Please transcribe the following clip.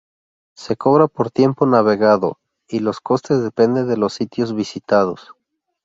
Se cobra por tiempo navegado y los costes dependen de los sitios visitados.